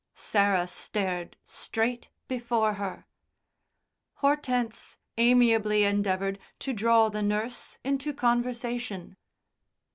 Sarah stared straight before her. Hortense amiably endeavoured to draw the nurse into conversation.